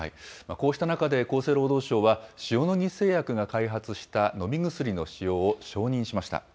こうした中で厚生労働省は、塩野義製薬が開発した飲み薬の使用を承認しました。